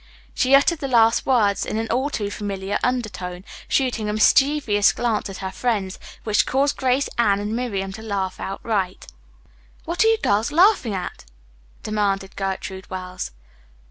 She uttered the last words in an all too familiar undertone, shooting a mischievous glance at her friends which caused Grace, Anne and Miriam to laugh outright. "What are you girls laughing at?" demanded Gertrude Wells.